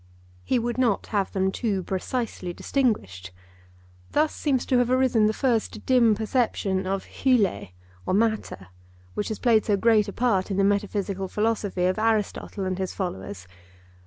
He would not have them too precisely distinguished. Thus seems to have arisen the first dim perception of (Greek) or matter, which has played so great a part in the metaphysical philosophy of Aristotle and his followers.